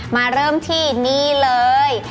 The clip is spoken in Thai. มาเริ่มที่นี่เลย